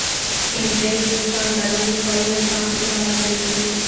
بېنډۍ د انساني بدن د دفاعي نظام ملاتړې ده